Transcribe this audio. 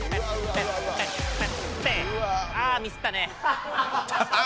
あミスったね。